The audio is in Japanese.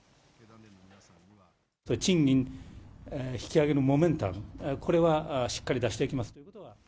賃金引き上げのモメンタム、これはしっかり出していきます。